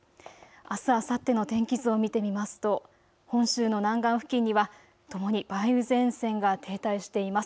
あす、あさっての天気図を見てみますと本州の南岸付近にはともに梅雨前線が停滞しています。